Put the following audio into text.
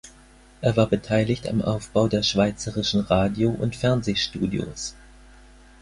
Er war beteiligt am Aufbau der schweizerischen Radio- und Fernsehstudios.